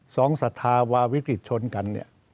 สองสัทธาวาวิกฤตชนกัน